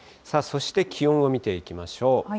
そして気温を見ていきましょう。